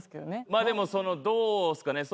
まあでもどうっすかね